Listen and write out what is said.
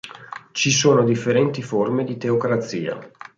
Ci sono differenti forme di teocrazia.